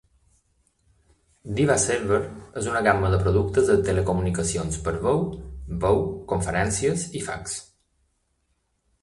Diva Server és una gamma de productes de telecomunicacions per veu, veu, conferències i fax.